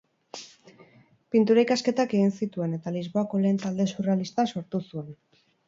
Pintura-ikasketak egin zituen, eta Lisboako lehen talde surrealista sortu zuen.